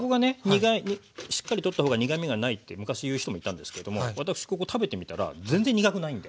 苦いしっかり取った方が苦みがないって昔言う人もいたんですけれども私ここ食べてみたら全然苦くないんで。